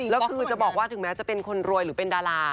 แล้วคือจะบอกว่าถึงแม้จะเป็นคนรวยหรือเป็นดารา